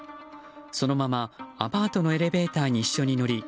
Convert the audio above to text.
そのままアパートのエレベーターに一緒に乗り